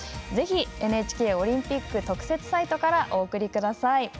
ぜひ、ＮＨＫオリンピック特設サイトからお送りください。